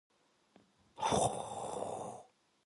회관 안이 찌렁찌렁 울리도록 소리를 질렀다.